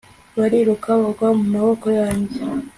Bariruka bagwa mu maboko yanjye